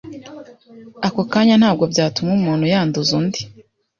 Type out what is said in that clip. ako kanya ntabwo byatuma umuntu yanduza undi